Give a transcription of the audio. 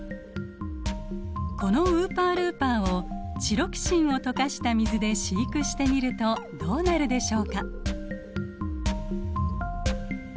このウーパールーパーをチロキシンを溶かした水で飼育してみるとどうなるでしょうか？